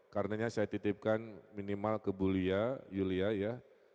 karenanya saya titipkan minimal ke yulia